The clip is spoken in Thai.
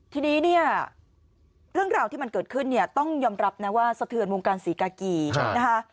ทีนี้เนี่ยเรื่องราวที่มันเกิดขึ้นเนี่ยต้องยอมรับนะว่าสะเทือนวงการศรีกากีนะคะ